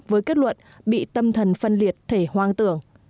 với kết luận bị tâm thần phân liệt thể hoang tưởng